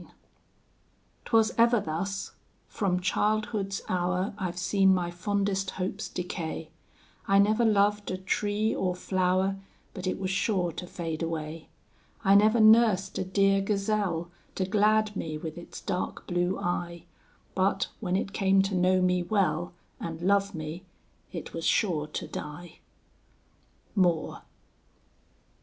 IX 'Twas ever thus; from childhood's hour I've seen my fondest hopes decay; I never loved a tree or flower, But it was sure to fade away; I never nursed a dear Gazelle, To glad me with its dark blue eye, But, when it came to know me well, And love me, it was sure to die. MOORE.